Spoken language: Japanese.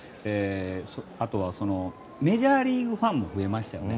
あとは、メジャーリーグファンも増えましたよね。